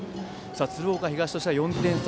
鶴岡東としては４点差。